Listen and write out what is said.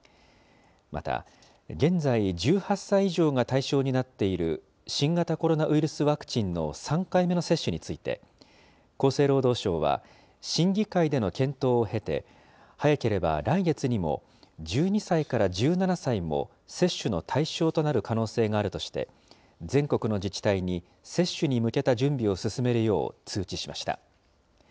また現在、１８歳以上が対象になっている新型コロナウイルスワクチンの３回目の接種について、厚生労働省は、審議会での検討を経て、早ければ来月にも、１２歳から１７歳も接種の対象となる可能性があるとして、全国の自治体に接種に向けた準備を進めるよう通知しました。